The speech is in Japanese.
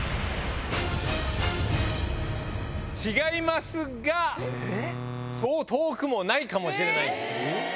違いますが、そう遠くもないかもしれない。